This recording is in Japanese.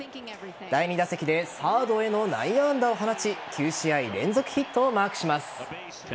第２打席でサードへの内野安打を放ち９試合連続ヒットをマークします。